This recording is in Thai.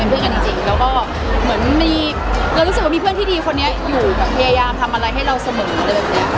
เรารู้สึกมีเพื่อนที่ดีคนนี้อยู่อย่ายามทำอะไรให้เราเสมือ